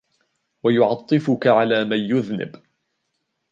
وَيُعَطِّفُك عَلَى مَنْ يُذْنِبُ